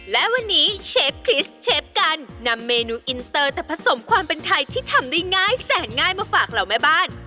และวันนี้เชฟคริสเชฟกันนำเมนูอินเตอร์แต่ผสมความเป็นไทยที่ทำได้ง่ายแสนง่ายมาฝากเหล่าแม่บ้าน